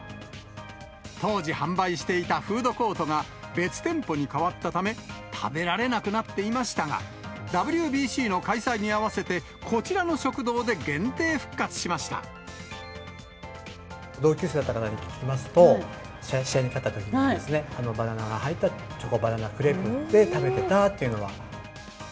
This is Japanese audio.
当時販売していたフードコートが別店舗に変わったため、食べられなくなっていましたが、ＷＢＣの開催に合わせて、同級生の方に聞きますと、試合に勝ったときに、バナナが入ったチョコバナナクレープを食べてたっていうのは。